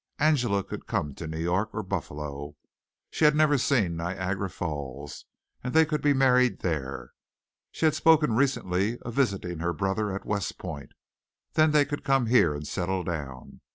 Angela could come to New York or Buffalo she had never seen Niagara Falls and they could be married there. She had spoken recently of visiting her brother at West Point. Then they could come here and settle down.